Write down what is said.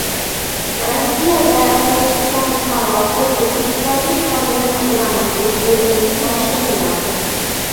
Rossiyada Tojikiston fuqarosi o‘zbekistonlik xotinini uraman deb, o‘g‘lining boshini yordi